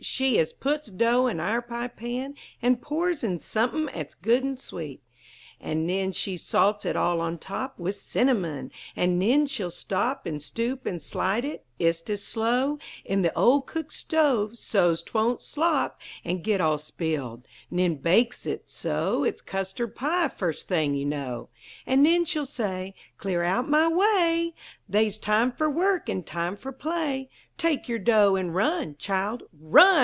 She ist puts dough in our pie pan, An' pours in somepin' 'at's good and sweet, An' nen she salts it all on top With cinnamon; an' nen she'll stop An' stoop an' slide it, ist as slow, In th' old cook stove, so's 'twon't slop An' git all spilled; nen bakes it, so It's custard pie, first thing you know! An' nen she'll say: "Clear out o' my way! They's time fer work, an' time fer play! Take yer dough, an' run, Child; run!